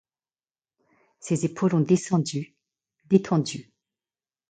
Ses épaules ont descendu, détendues.